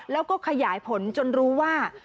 แล้วก็ขยายผลจนรู้ว่า